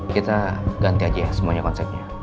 kita ganti aja ya semuanya konsepnya